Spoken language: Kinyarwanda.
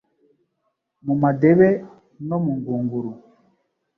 mu madebe no mu ngunguru,